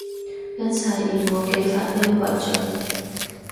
一切以我嘅發音爲準